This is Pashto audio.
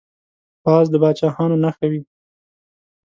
باز د پاچاهانو نښه وه